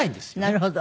なるほど。